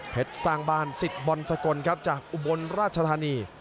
สร้างบ้านสิทธิ์บอลสกลครับจากอุบลราชธานี